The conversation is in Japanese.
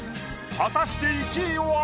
果たして１位は？